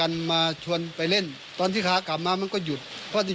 อะไรจะใช้เนื้อที่คุณก็ได้